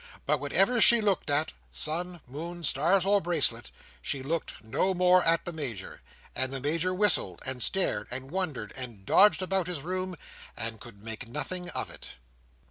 But whatever she looked at; sun, moon, stars, or bracelet; she looked no more at the Major. And the Major whistled, and stared, and wondered, and dodged about his room, and could make nothing of it.